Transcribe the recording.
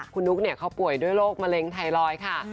คุณนุ๊กเขาป่วยด้วยโรคมะเร็งไทรอยด์ค่ะ